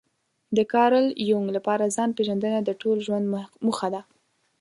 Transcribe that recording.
د کارل يونګ لپاره ځان پېژندنه د ټول ژوند موخه ده.